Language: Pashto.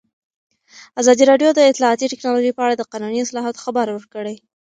ازادي راډیو د اطلاعاتی تکنالوژي په اړه د قانوني اصلاحاتو خبر ورکړی.